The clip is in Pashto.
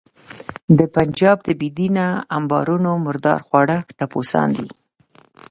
د پنجاب د بې دینه امبارونو مردار خواره ټپوسان دي.